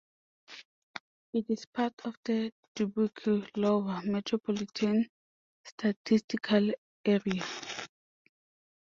It is part of the Dubuque, Iowa, Metropolitan Statistical Area.